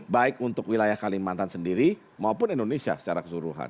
baik untuk wilayah kalimantan sendiri maupun indonesia secara keseluruhan